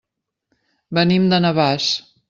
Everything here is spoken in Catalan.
Venim de Navàs.